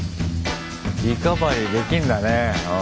リカバリーできんだね。